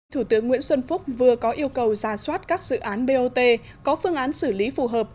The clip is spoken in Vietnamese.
thủ tướng nguyễn xuân phúc vừa có yêu cầu ra soát các dự án bot có phương án xử lý phù hợp